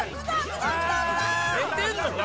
寝てんのか？